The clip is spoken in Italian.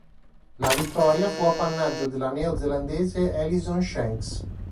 La vittoria fu appannaggio della neozelandese Alison Shanks.